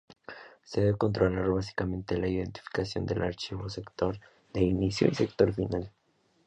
Se debe controlar básicamente la identificación del archivo, sector de inicio y sector final.